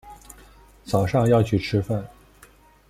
早上要去吃饭